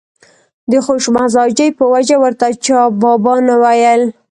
د خوش مزاجۍ په وجه ورته چا بابا نه ویل.